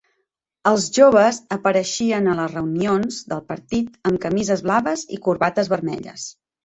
Els joves apareixien en les reunions del partit amb camises blaves i corbates vermelles.